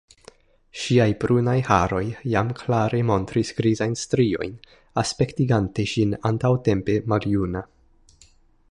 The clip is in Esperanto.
Ŝiaj brunaj haroj jam klare montris grizajn striojn, aspektigante ŝin antaŭtempe maljuna.